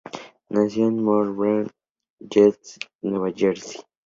Nació en Low Moor, Bradford, West Yorkshire.